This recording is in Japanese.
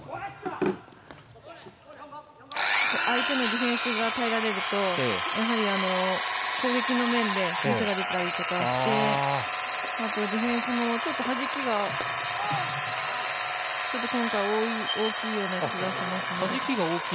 相手のディフェンスが耐えられるとやはり、攻撃の面でミスが出たりとかしてあと、ディフェンスもちょっとはじきが大きいような気がします。